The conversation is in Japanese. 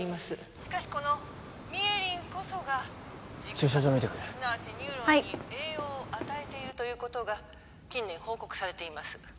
しかしこのミエリンこそが駐車場見てくるはい栄養を与えているということが近年報告されています